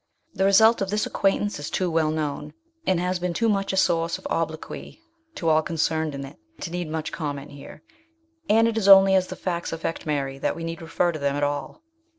The result of this acquaintance is too well known, and has been too much a source of obloquy to all concerned in it, to need much comment here, and it is only as the facts affect Mary that we need refer to them at all.